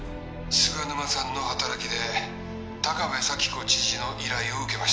「菅沼さんの働きで高部咲子知事の依頼を受けました」